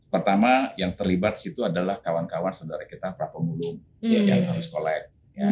pertama yang terlibat disitu adalah kawan kawan saudara kita frapomulum yang harus collect